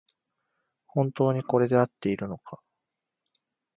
本当にこれであっているのか